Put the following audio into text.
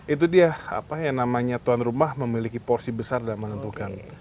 itu dia apa yang namanya tuan rumah memiliki porsi besar dalam menentukan